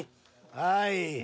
はい。